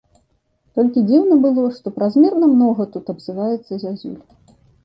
Толькі дзіўна было, што празмерна многа тут абзываецца зязюль.